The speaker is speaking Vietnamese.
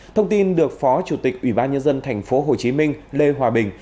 thông tin được phó chủ tịch ủy ban nhân dân thành phố hồ chí minh lê hòa bình